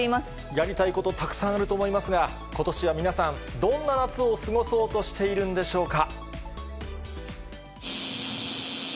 やりたいことたくさんあると思いますが、ことしは皆さん、どんな夏を過ごそうとしているんでしょうか。